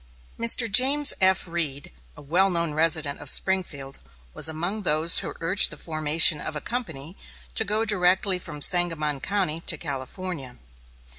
Mr. James F. Reed, a well known resident of Springfield, was among those who urged the formation of a company to go directly from Sangamon County to California.